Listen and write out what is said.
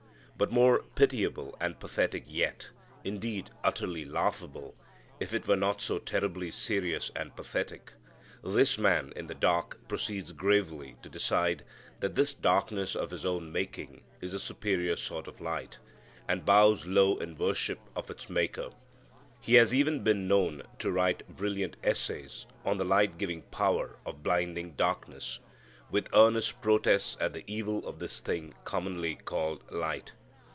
But more pitiable and pathetic yet; indeed utterly laughable if it were not so terribly serious and pathetic: this man in the dark proceeds gravely to decide that this darkness of his own making is a superior sort of light, and bows low in worship of its maker. He has even been known to write brilliant essays on the light giving power of blinding darkness, with earnest protests at the evil of this thing commonly called light.